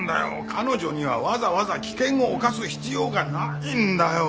彼女にはわざわざ危険を冒す必要がないんだよ。